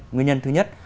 nguyên nhân thứ nhất